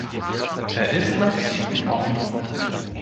Er ist nach Süden offen.